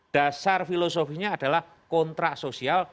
dasar filosofinya adalah kontrak sosial